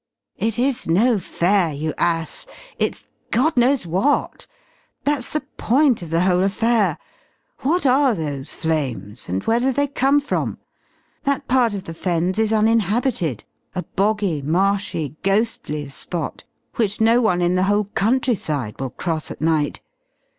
"It is no fair you ass, it's God knows what! That's the point of the whole affair. What are those flames, and where do they come from? That part of the Fens is uninhabited, a boggy, marshy, ghostly spot which no one in the whole countryside will cross at night.